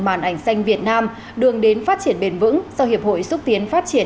màn ảnh xanh việt nam đường đến phát triển bền vững do hiệp hội xúc tiến phát triển